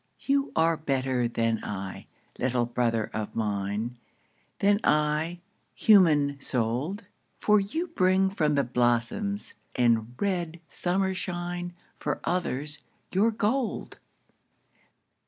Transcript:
You are better than I, little brother of mine, Than I, human souled, For you bring from the blossoms and red summer shine, For others, your gold.